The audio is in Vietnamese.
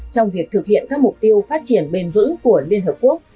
trong việc thực hiện các mục tiêu phát triển bền vững của liên hợp quốc